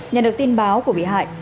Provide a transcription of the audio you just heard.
nhận được tin báo của bị hại